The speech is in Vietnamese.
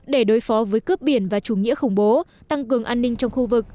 để đối phó với cướp biển và chủ nghĩa khủng bố tăng cường an ninh trong khu vực